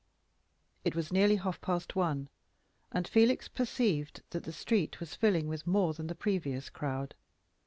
It was now nearly half past one, and Felix perceived that the street was filling with more than the previous crowd.